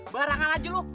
barangan aja lu